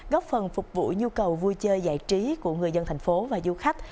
góp phần phục vụ nhu cầu vui chơi giải trí của người dân thành phố và du khách